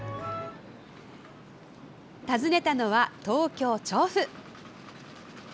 訪ねたのは、東京・調布。